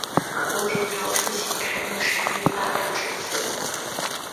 胡锦涛出席开幕式并发表致辞。